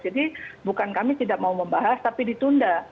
jadi bukan kami tidak mau membahas tapi ditunda